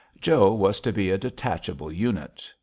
Joe was to be a detachable unit.